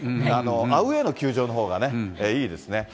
アウエーの球場のほうがいいですね。